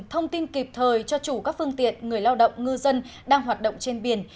thông tin kịp thời cho chủ các phương tiện người lao động ngư dân đang hoạt động trên biển